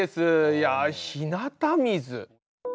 いや日向水。